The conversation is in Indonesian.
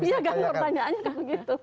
iya kan pertanyaannya kan begitu